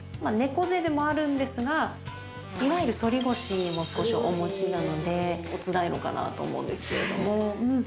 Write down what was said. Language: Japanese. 猫背でもあるんですがいわゆる反り腰も少しお持ちなのでおつらいのかなと思うんですけれども。